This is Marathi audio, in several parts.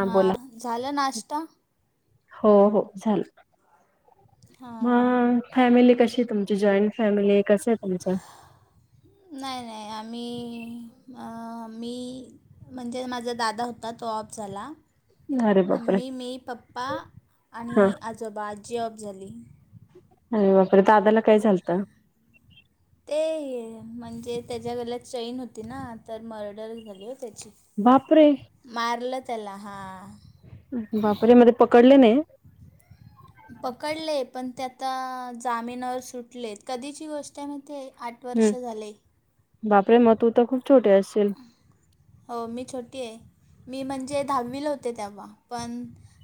हा झालं नाश्ता. हो हो झालं, हां मग. फॅमिली कशी तुमची जॉईंड फॅमिली आहे, कसंय तुमचं? नाही नाही आम्ही आम्ही म्हणजे माझा दादा होता, तो ऑफ झाला. अरे बापरे मम्मी मी पप्पा हा आणि आजोबा, आजी ऑफ झाली. अरे बापरे, दादाला काय झालतं.? ते म्हणजे त्याच्या गल्यात चैन होती ना, तर मर्डर झाली ओ त्याची. बापरे! मारलं त्याला हां. बापरे म ते पकडले नाही. पकडले, पण ते आता जामिनावर सुटलेत, कधीची गोष्ट आहे माहित आहे, आठ हम् वर्ष झाले. बापरे मग तू तर खूप छोटी असशील. हो मी छोटी आहे, मी म्हणजे दहावीला होते तेव्हा, पण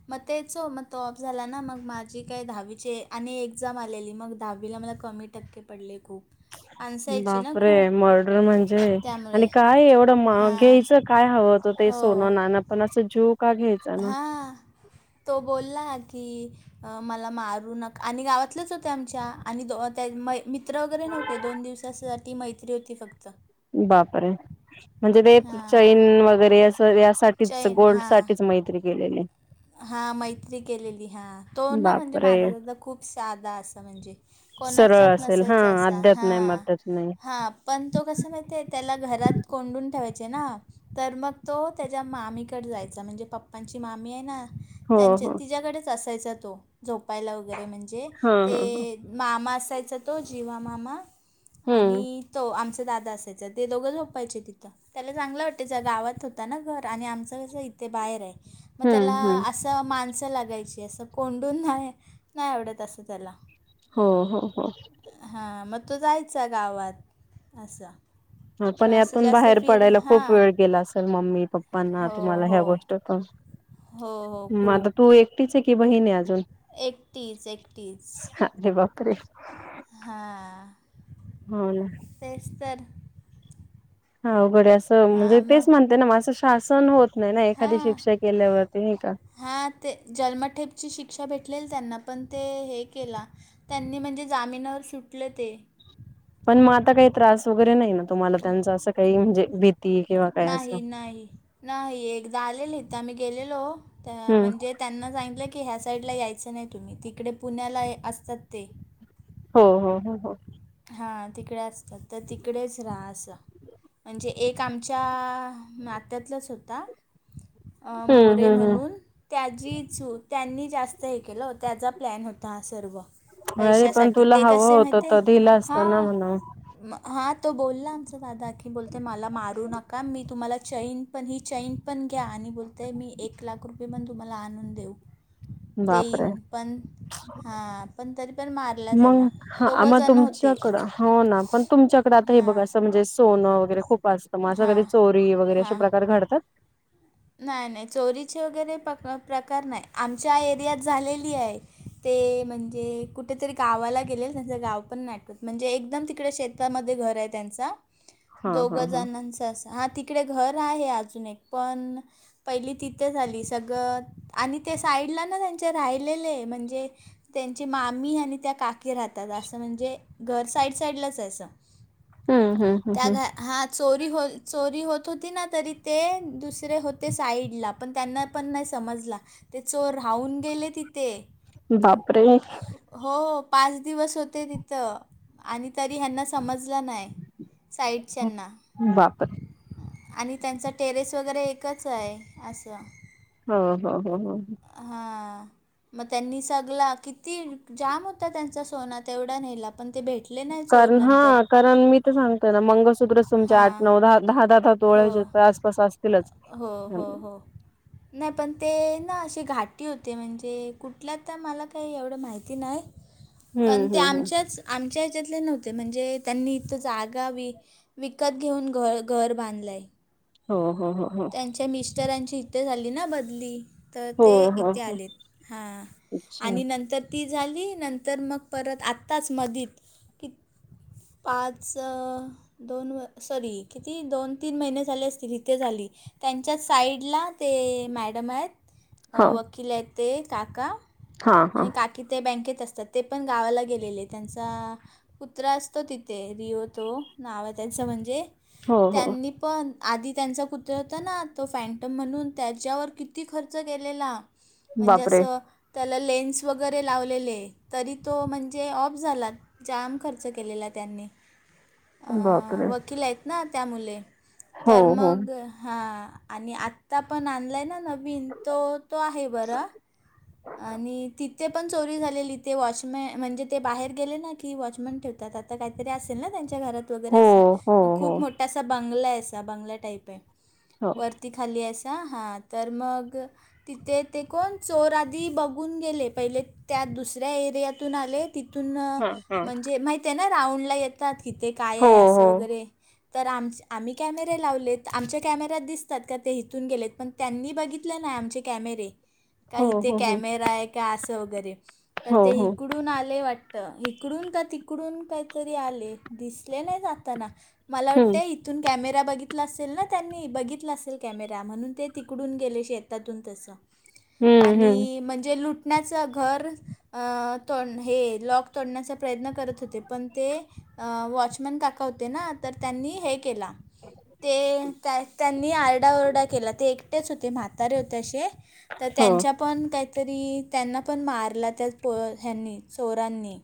मग तेच हो, मग तो ऑफ झाला ना, मग माझी काय दहावीचे आणि एक्झाम आलेली, मग दहावीला मला कमी ट टक्के पडले खुप. बापरे मर्डर म्हणजे, त्यामुळे आणि काय एवढं हां घ्यायचं काय हवं होतं ते हो सोनं नानं, पण असं जीव का घ्यायचा ना. हां तो बोला की अ मला मारू नक, आणि गावातलेच होते आमच्या, आणि मित्र वगैरे नव्हते, दोन दिवस दिवसासाठी मैत्री होती फक्त. बापर म्हणजे ते हां चैन वगैरे असं यासाठी तेच चैन गोल्ड साठीच मैत्री केलेली. हा मैत्री केलेली हा तो ना म्हणजे बापरे माझा दादा खूप साधा असं म्हणजे सरळ कोणाच्यात असेल हा नसायचं असं अध्यात हा नाही मध्यात नाही हा पण तो कसा माहितीये. त्याला घरात कोंडून ठेवायचे ना तर मग तो त्याच्या मामी कडे जायचा म्हणजे पप्पांची मामी आहे ना हो त्यांच्या हो तिच्याकडेच असायचा तो झोपायला वगैरे म्हणजे हा हा ह ते मामा असायचा तो जिवा मामा हम्म आणि तो आमच्या दादा असायचा चल ते दोघं झोपायचे तिथं त्याला चांगलं वाटायचं गावात होता ना घर आणि आमचं कसं इथे बाहेर आहे मग त्याला हम्म हम्म असं माणसं लागायची असं कोंडून नाही नाही आवडत असं त्याला हो हो हा मग तो जायचा गावात असं हो पण असं यातून जास्त बाहेर फिर पडायला खूप हां वेळ गेला असेल मम्मी पप्पांना हो तुम्हाला हो ह्या गोष्टीतून हो हो मग आता तू खूप एकटीच बहीण आहे अजून एकटीच एकटीच अरे बाप तरे हा ना तेच तर हा अवघड असं हा हां म्हणजे मग तेच म्हणते ना असं शासन होत नाय ना एखादी शिक्षा केल्यावरती नाही का हा ते जन्मठेपची शिक्षा भेटलेली त्यांना पण ते हे केला. त्यांनी म्हणजे जामिनावर सुटले ते पण मग आता काही त्रास वगैरे नाय ना तुम्हाला त्यांच असं काही म्हणजे भीती किंवा काही असं. नाही नाही नाही एकदा आलेले आम्ही गेलेलो त हम्म म्हणजे त्यांना सांगितलं की ह्या साईडला यायचं नाही तुम्ही तिकडे पुण्याला असतात ते हो हो हो हां तिकडे असतात तर तिकडेच राहा असा म्हणजे एक आमच्या नात्यातलाच होता. अ हम्म मोरे हम्म हम्म म्हणून त्याजी चू त्यांनी जास्त हे केलं त्याचा प्लॅन होता हा सर्व हाय पण पैशासाठी तुला ते हवं कसे होतं माहिती आहे तर दिलं असत ना हां म्हणून म हा तो बोलला आमचा दादा की बोलते मला मारू नका मी तुम्हाला चैन पण ही चैन पण घ्या आणि बोलतय मी एक लाख रुपये पण तुम्हाला आणून देऊ बापरे देईन पण हा पण तरी पण मारला मग त्याला हा दोघं मग जण होते. तुमच्याकडं हो ना पण तुमच्याकडे आता हे बघ हां अस म्हणजे सोनं वगैरे खूप असतं माझ्या हां घरी चोरी वगैरे अशा प्रकार घडतात. नाय नाय चोरीचे वगैरे प प्रकार नाही आमच्या एरियात झालेली आहे. ते म्हणजे कुठेतरी गावाला गेले त्यांचं गाव पण नाही आठवत. म्हणजे एकदम तिकडे शेतामध्ये घर आहे त्यांचा हा दोघ हा हा जणांचा असं हा तिकडे घर आहे अजून एक पण पहिली तिथे झाली सग आणि ते साईडला ना त्यांचे राहिलेले म्हणजे त्यांचे मामी आणि त्या काकी राहतात असं म्हणजे घर साईड साईडलाच आहे असं हम्म हम्म हम्म त्या घ हम्म हा चोरी हो चोरी होत होती ना तरी ते दुसरे हो ते साईडला पण त्यांना पण नाही समजला ते चोर राहून गेले तिथे. बापरे. हो पाच दिवस होते तिथ आणि तरी ह्यांना समजलं नाय साईड च्याना बापरे आणि त्यांचा टेरेस वगैरे एकच आहे असं. हो हो हो हो हो. हां मग त्यांनी सगला किती जाम होता त्यांचा सोना तेवढा नेला पण ते भेटले नाही चोर नंतर कारण मी तर सांगते ना मंगळसूत्र तुमच्या आठ, हां नऊ, दहा दहा दहा, हो तोळ्याच्या आसपास असतीलच. हो हो हो. नाही पण ते ना अशी घाटी होते म्हणजे कुठल्या तर मला काही एवढं माहिती नाही. [inaudible] पण ते हम्म आमच्याच आमच्या ह्याच्यातले नव्हते म्हणजे त्यांनी इथं जागा विकत घेऊन घर घर बांधलंय. हो हो हो हो. त्यांच्या मीस्टरांची इथे झाली ना बदली. तर हो ते हो इथे हो आलेत हां अच्छा आणि नंतर ती झाली नंतर मग परत आत्ताच मधित की पाच, दोन सॉरी किती दोन, तीन महिने झाले असतील ही ते झाली त्यांच्या साईडला ते मॅडम आहेत हा वकील आहेत. ते काका हा हा आणि का की ते बँकेत असतात ते पण गावाला गेलेले त्यांचा कुत्रा असतो तिथे रिओ तो नाव आहे त्याचं म्हणजे हो हो त्यांनी पण आधी त्यांचा कुत्रा होता ना तो फँटम म्हणून त्याच्यावर किती खर्च केलेला. म्हणजे बापरे असं त्याला लेन्स वगैरे लावलेले तरी तो म्हणजे ऑफ झाला. जाम खर्च केलेला त्यांनी. [inaudible] वकील आहेत ना त्या मुले हो, तर हो. मग हां आणि आत्ता पण आणलाय ना नवीन तो तो आहे बरा. आणि तिथे पण चोरी झालेली ते वॉचमॅ म्हणजे ते बाहेर गेले ना की व वॉचमेन ठेवतात आता. [unintelligible] काहीतरी असेल ना त्यांच्या घरात. वगैरे हो, अस हो, हो, खूप मोठा असा बंगला आहे अस बंगला टाईप आहे हो. व वरती खाली अस हा तर मग असं तिथे ते कोण चोर बघून गेले पहिले त्या दुसऱ्या एरियातून आले तिथून हां, हां. म्हणजे माहित ते ना राऊंडला येतात की हीते काय हो, आहे हो. असं वगैरे तर आमच्या आम्ही कॅमेरे लावलेत आमच्या कॅमेऱत दिस असात का ते हिथून गेलेत पण त्यांनी बघितलं नाय आमचे कॅमेरे. हो हो हो. बाहेर आहे का असं वगैरे तर हो, ते हो. इकडून इकडून आले वाटत इकडून का तिकडून काहीतरी आले दिसले नाही जाताना. मला हं. वाटतें इ इथून कॅमेरा बघितला असेल ना त्यांनी बघितलं असेल कॅमेरा म्हणून ते तिकडून गेले शेतातून तसं. हं, हं. आणि म्हणजे लुटण्याचं घर. अं तो हे लॉक तोडण्याचा प्रयत्न करत होते पण ते. वॉचमॅन काका होते ना तर त्यांनी हे केला. ते त्यांनी आरडाओरडा केला ते एकटेच होते म्हातारे होते असे. तर हो. त्यांच्या पण काहीतरी त्यांना पण मारला त्या पो ह्यांनी चोरांनी.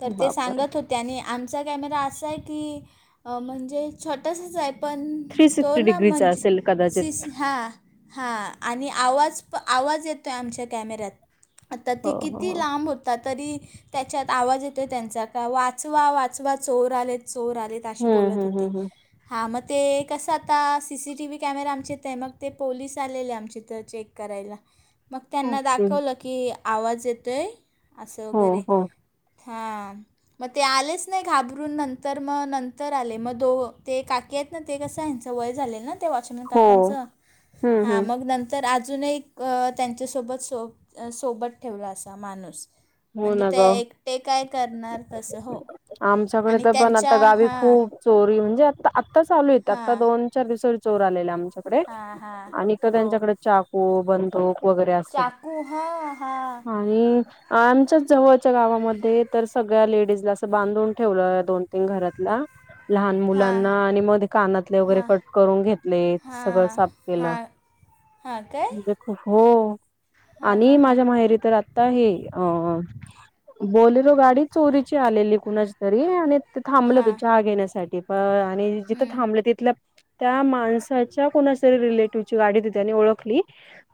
तर ते बापरे! सांगत होते. त्याने आमचा कॅमेरा असा आहे की म्हणजे छोटासाच आहे. पण तो ना डिग्रीचा म्हणजे असेल कदाचित. शिस हा. हा आणि आवाज येतोय आमच्या कॅमेऱ्यात आता हो, ती हो, किती हो. लांब होती. होता तरी त्याच्यात आवाज येतो त्यांचा का वाचवा वाचवा चोर आलेत चोर आलेत. ते असे हं, बोलत हं, हं, होते. हं. हा मग ते कसं आता सीसीटी व्ही कॅमेराे आमचेेते मग ते पोलीस आलेले आमचे इथ चेक करायला मग त्यांना ओके. दाखवलं की आवाज येतोय. असं हो, वगैरे हो. हा. मग ते आलेच नाही घाबरून नंतर मग नंतर आले मग दो ते काकी आहेत. ते कस ह्यांचं वय झाले ना वॉचमन हो. काकच हं, हा हं. मग नंतर आ अजून एक त्यांच्यासोबत सोब सोबत असा माणूस. हो म्हणजे ना ते गं. एकटे काय करणार तसं हो. आमच्याकडे आणि तर पण त्यांच्या आता गावी हां, खूप चोरी म्हणजे आ आत्ता चालू आहेते आत्ता हां, दोन. चार दिवसा पूर्वी चोर आलेला आमच्याकडे हां, हां. आणि एक तर हो. त्यांच्याकडे. चाकू बंदुक वगैरे असतात चाकू हां, हां, आणि आमच्याच जवळच्या गावामध्ये तर सगळ्या लेडीजला असं बांधून ठेवलं दोन तीन घरातला. लहान हां, मुलांना आणि मध्ये कानातले वगैरे हां, कट करून घेतले. सगळं हां, साफ केलं. हां, हां काय. म्हणजे हो हां, आणि हां, हां, माझ्या माहेरी तर आता हे. बलेरो गाडी चोरीची आलेली कुणाच तरी आणि ते थांबले होत हां. चहा घेण्यासाठी पण आणि जिथं हं. थांबलं तिथल्या. त्या माणसाच्या कोणाच्या तरी रिलेटिव्हची गाडी होती त्यानी ओळखली.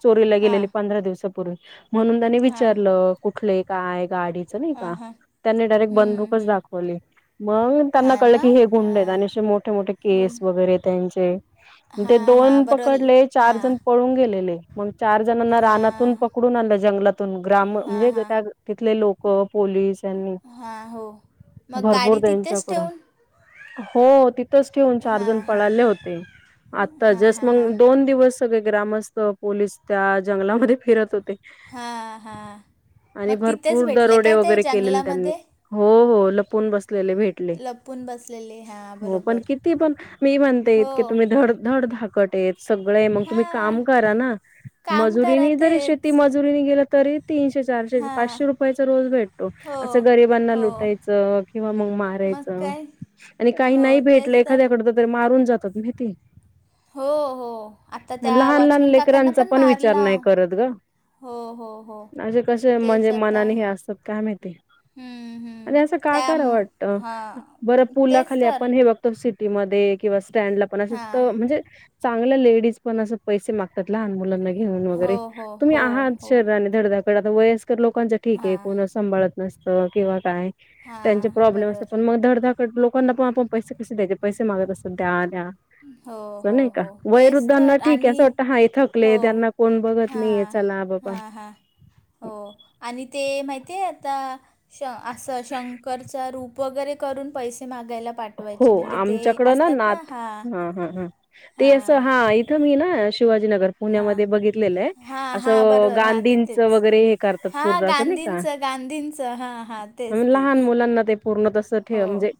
चोरीला गेलेली हां पंधरा दिवसापूर्वी म्हणून त्यानी हां विचारलं कुठले काय गाडी. च नाही हां का हां त्यांनी डायरेक्ट हम्म, बंदूकच हम्म. दाखवली. मग त्यांना हां कळलं ना की हे गुंड आहेत हां आणिे असे मोठे मोठे केस गुण वगैरे त्यांचे ते हां हां दोन बरोल पकडले चार हां जण पळून गेलेले मग चार जणांना हां रानातून प पकडून आणलं जंगलातून ग्राम हां म्हणजे हां त्या तिथले लोक पोलीस यांनी हा हो. मग भरपूर गाडी तिथेच त्यांच्याकड. ठेवून हो तिथंच ठेऊून चार हां जण हां पळाले होते आता हां जस्ट हां हां मग दोन दिवस. सगळे ग्रामस्थ पोलीस त्या जंगलामध्ये फिरत होते. हां हां. आणि मग तिथेच भरपूर भेटले दरोडे काय ते वगैरे केलेले त्यांनी जंगलामध्ये हो हो लपून बसलेले भेट. भेटले लपून बसलेले हां हो पण बरोबर किती पण मी हो म्हणतेइतके तुम्ही धडधड धाकट हेत. सगळे तुम्ही हां काम करा ना काम करा मजुरीनी जरी शेती तेच मज मजुरी गेलं तरी तीनशे चारशे हां पाचशे रुपयाचा रोज भेटतो. हो असं गरिबांना हो लुटायचं किंवा मग मग मारायचं. काय आणि काही हो नाही भेटलं तेच एखाद्याकड तर मारून जातात माहितीये. हो हो आता त्या लहान लहान वॉचमॅन काकांना लेकरांचा पण विचार मारला. नाही करत ग. हो हो हो. असे कसे म्हणजे तेच आता. मनाने हे असतात काय माहिती. हं, हं. आणि असं का त्या करा वाटतं हां. बरं तेच पुलाखाली तर. आपण हे बघतो सी सिटी मध्ये किंवा स्टँडला पण अस त हां. म्हणजे चांगल्या लेडीज पण असं पैसे मागतात लहान मुलांना घेऊन. घेऊन हो, वगैरे हो, तुम्ही हो, आहात हो. शरीराने धडधाकडट तर आता वयस्कर लोकांचं ठीक आहे हां, कोण सांभाळत नसतं किंवा काय. त्यांचे हां. प्रॉब्लेम असतात बरोबर. पण धडधाकडं लोकांना पण आप पैसे कसे द्यायचे पैसे मागत असतात द्या द्या. हो, हो, नाही का हो. तेच वैरुद्धांना तर ठीक आहे आणि असं वाटतं हा थकलेत त्यांना कोण बघत नाहीय चला बघ हा हा हो आणि ते माहितीय आता श असं शंकरचा रूप वगैरे करून पैसे मागायला पाठवायचे हो म्हणजे ते आमच्याकडं ना असतात नाथ हां. हा हा हा. ते असं हां हा इथं मी ना शिवाजीनगर हां पुण्यामध्ये बघितलेलं आहे हां हां असं बरोबर हां गांधींचं तिथेच वगैरे हे करतात हां पूर्ण असं नाही का. गांधींचं गांधींचं हां हां तेच लहान तेच मुलांना ते पूर्ण तस हो ठेव म्हणजे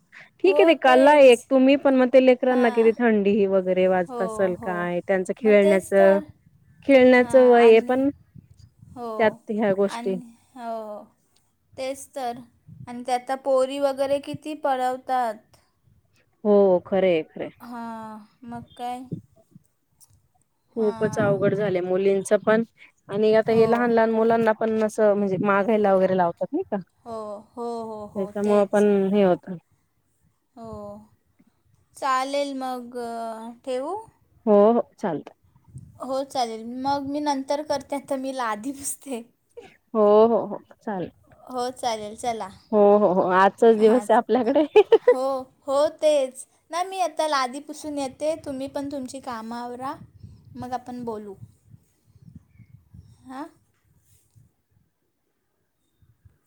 ठीक आहे हो ते कला एक तेच पण मग लेकरां ना किती हां थंडीही वगैरे. हो असल हो काय त्यांचं मग तेच खेळण्याचं तर हां खेळण्याचं वय हे आणि पण हो त्यात ह्या गोष्टी आणि हो. तेच तर आणि त्याता पोरी वगैरे किती पळवतात. हो खर हे खर हे. हां मग काय? खूपच हां अवघड झालयं मुलींच आणि आता हो हे लहान लहान मुलांना आपण अस म्हणजे मागायला वगैरे लावतात नाही का हो हो हो हो त्याच्यामुळ पण तेच हे होत. हो चालेल मग ठेवू. हो हो चालत. हो चालेल मग मी नंतर करते, आता मी लादी पुसते. हो हो हो चालेल. हो चालेल चला हो हो हो आजचाच हां दिवस आहे आपल्याकडे. हो हो तेच ना मी आता लादीपुसून येते तुम्ही पण तुमची काम आवरा. मग आपण बोलू हा.